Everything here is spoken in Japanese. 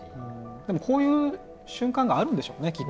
でもこういう瞬間があるんでしょうねきっと。